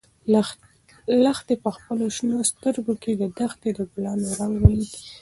لښتې په خپلو شنه سترګو کې د دښتې د ګلانو رنګ ولید.